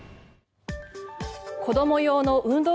子ども用の運動